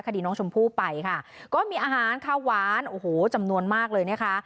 คดีน้องชมพู่ไปค่ะก็มีอาหารข้าวหวานโอ้โหจำนวนมากเลยนะคะ